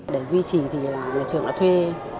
để duy trì thì là nhà trường đã thuê